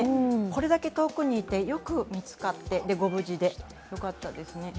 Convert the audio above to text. これだけ遠くにいてよく見つかって、御無事でよかったですね。